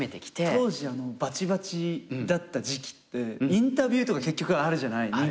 当時バチバチだった時期ってインタビューとか結局あるじゃない。